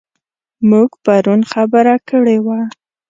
موږ پرون خبره کړې وه.